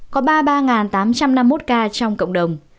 có ba mươi ba tám trăm năm mươi một ca trong cộng đồng